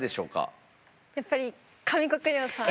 やっぱり上國料さん。